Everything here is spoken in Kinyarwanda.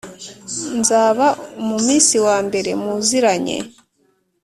Nzaba umu Miss wambere muziranye